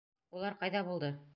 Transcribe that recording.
Улар ҡайҙа булды?